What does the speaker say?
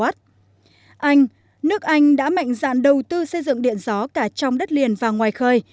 anh nước anh đã mạnh dạn đầu tư xây dựng điện gió cả trong đất liền và ngoài khơi